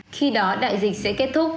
khi đó đại dịch sẽ kết thúc